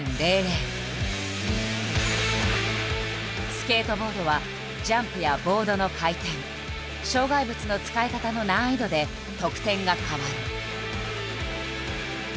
スケートボードはジャンプやボードの回転障害物の使い方の難易度で得点が変わる。